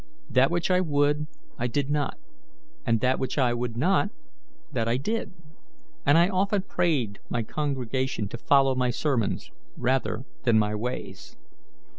That which I would, I did not, and that which I would not that I did; and I often prayed my congregation to follow my sermons rather than my ways.